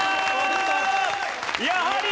やはり。